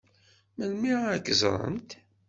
Melmi ad k-ẓṛent?